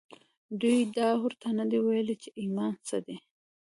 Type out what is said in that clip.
دوی دا ورته نه دي ويلي چې ايمان څه دی.